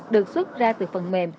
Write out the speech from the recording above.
được xuất ra từ phần mềm